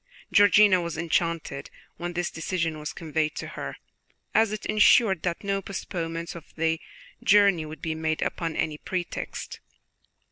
Georgiana was enchanted when this decision was conveyed to her, as it ensured that no postponement of the journey would be made upon any pretext.